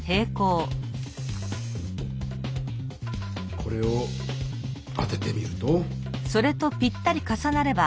これを当ててみると。